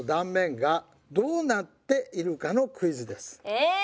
え。